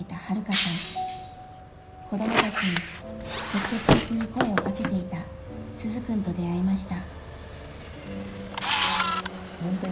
子どもたちに積極的に声をかけていた鈴くんと出会いました。